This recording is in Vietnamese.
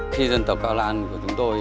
khi dân tộc cao lan của chúng tôi